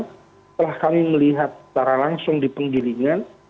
setelah kami melihat secara langsung di penggilingan